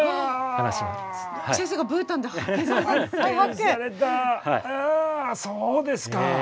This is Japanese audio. あそうですか。